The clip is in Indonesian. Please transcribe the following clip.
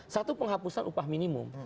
satu penghapusan upah minimum